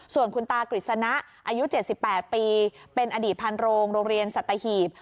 ส่วนคุณตากฤษณะอายุ๗๘ปีเป็นอดีตพันโรงโรงเรียนสัตหีบ